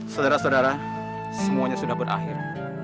saudara saudara semuanya sudah berakhir